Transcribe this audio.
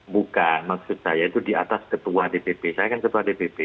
bukan maksud saya itu di atas ketua dpp saya kan ketua dpp